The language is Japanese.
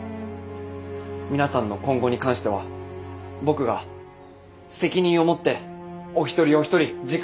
皆さんの今後に関しては僕が責任を持ってお一人お一人時間をかけて。